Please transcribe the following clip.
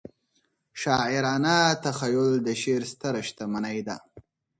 شاعرانه تخیل د شعر ستره شتمنۍ ده.